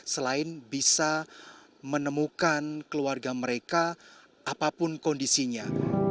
selain bisa menemukan keluarga mereka apapun kondisinya